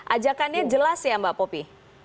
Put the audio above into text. ajakannya jelas ya mbak popi